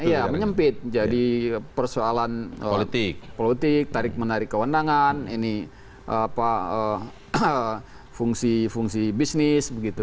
ya menyempit jadi persoalan politik tarik menarik kewandangan fungsi bisnis begitu